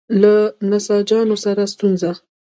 له نساجانو سره ستونزه.